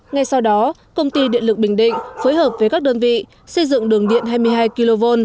ngay sau đó công ty điện lực bình định phối hợp với các đơn vị xây dựng đường điện hai mươi hai kv